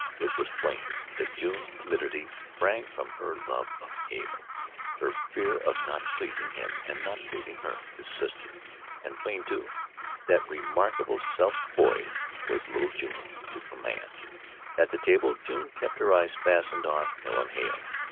It was plain that June's timidity sprang from her love of Hale her fear of not pleasing him and not pleasing her, his sister, and plain, too, that remarkable self poise was little June's to command. At the table June kept her eyes fastened on Helen Hale.